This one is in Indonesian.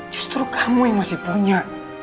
justru kamu yang masih punya